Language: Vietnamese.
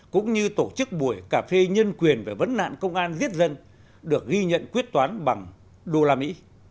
cũng như tổ chức buổi cà phê nhân quyền về vấn nạn công an giết dân được ghi nhận quyết toán bằng đô la mỹ